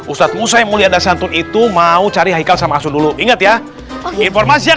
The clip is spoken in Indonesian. ustadz musa yang mulia dasyatun itu mau cari haikal sama asum dulu ingat ya informasi yang